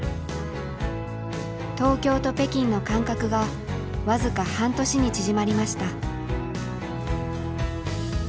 東京と北京の間隔が僅か半年に縮まりました。